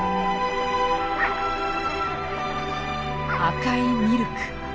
赤いミルク。